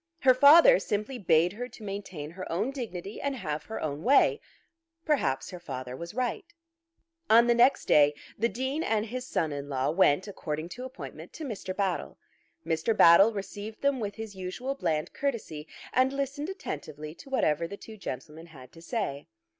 Her father simply bade her to maintain her own dignity and have her own way. Perhaps her father was right. On the next day the Dean and his son in law went, according to appointment, to Mr. Battle. Mr. Battle received them with his usual bland courtesy, and listened attentively to whatever the two gentlemen had to say.